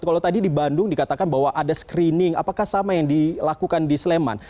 kalau tadi di bandung dikatakan bahwa ada screening apakah sama yang dilakukan di sleman